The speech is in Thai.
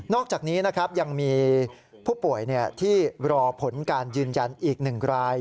อกจากนี้นะครับยังมีผู้ป่วยที่รอผลการยืนยันอีก๑ราย